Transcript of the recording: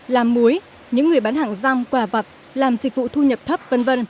làm muối những người bán hàng giam quả vật làm dịch vụ thu nhập thấp v v